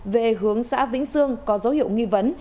về hướng xã vĩnh sương có dấu hiệu nghi vấn